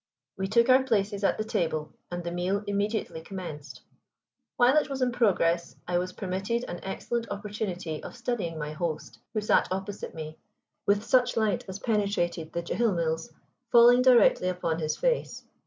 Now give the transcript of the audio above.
We took our places at the table, and the meal immediately commenced. While it was in progress I was permitted an excellent opportunity of studying my host, who sat opposite me, with such light as penetrated the jhilmills falling directly upon his face.